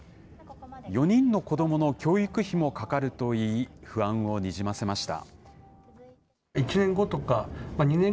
４人の子どもの教育費もかかるといい、不安をにじませました。